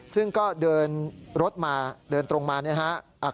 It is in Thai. ซึ่งก็เดินรถมาเดินตรงมาเนี่ยนะครับ